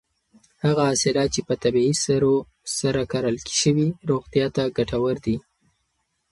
هغه حاصلات چې په طبیعي سرو سره کرل شوي روغتیا ته ګټور دي.